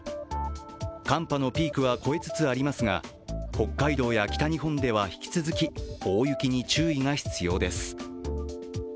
寒波のピークは越えつつありますが、北海道や北日本では引き続き大雪に注意が必要です。